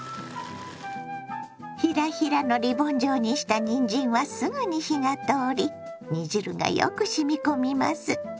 ヒラヒラのリボン状にしたにんじんはすぐに火が通り煮汁がよくしみ込みます。